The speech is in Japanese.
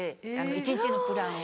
一日のプランを。